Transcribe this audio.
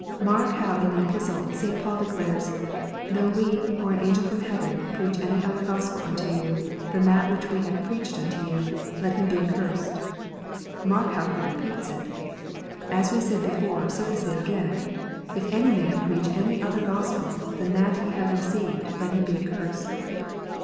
Mark how in that Epistle St. Paul declares, " Though we, or an angel from heaven, preach any other Gospel unto you than that which we have preached unto you, let him be accursed." Mark how he repeats it: "As we said before, so we say again, If any man preach any other Gospel than that ye have received, let him be accursed."